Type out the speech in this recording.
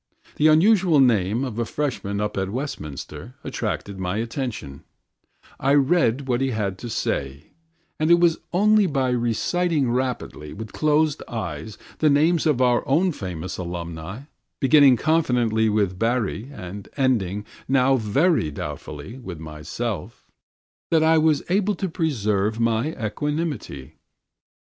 The unusual name of a freshman up at WESTMINSTER attracted my attention; I read what he had to say; and it was only by reciting rapidly with closed eyes the names of our own famous alumni, beginning confidently with Barrie and ending, now very doubtfully, with myself, that I was able to preserve my equanimity.